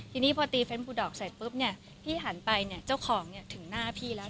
ทีนี้พอตีเฟ้นปูดอกเสร็จปุ๊บเนี่ยพี่หันไปเนี่ยเจ้าของเนี่ยถึงหน้าพี่แล้ว